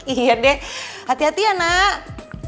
iya deh hati hati ya nak